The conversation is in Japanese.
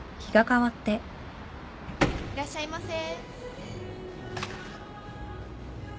・いらっしゃいませ。